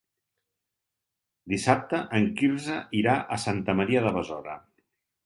Dissabte en Quirze irà a Santa Maria de Besora.